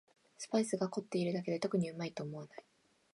スパイスが凝ってるだけで特にうまいと思わない